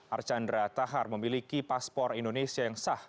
archandra tahar memiliki paspor indonesia yang sah